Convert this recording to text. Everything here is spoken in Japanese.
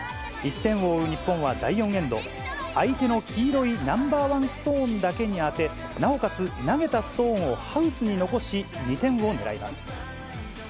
１点を追う日本は第４エンド、相手の黄色いナンバー１ストーンだけに当て、なおかつ投げたストーンをハウスに残し、２点をねらいます。